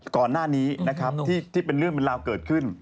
ก่อนหน้านี้นะครับที่เป็นเรื่องเป็นราวเกิดขึ้น